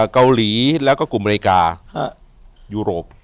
เกาหลีแล้วก็กลุ่มอเมริกายุโรป